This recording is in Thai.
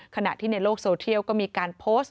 ขณะที่ในโลกโซเทียลก็มีการโพสต์